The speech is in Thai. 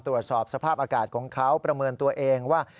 ตรวจสอบสภาพอากาศของเขาประเมินตัวเองว่า